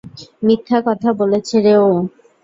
মিথ্যা কথা বলছে রে ও!